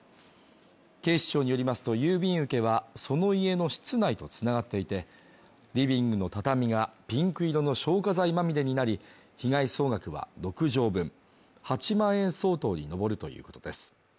警視庁によりますと郵便受けは、その家の室内と繋がっていて、リビングの畳がピンク色の消火剤まみれになり被害総額は６畳分８万円相当に上るということです。